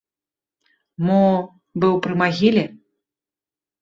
Мо быў пры магіле?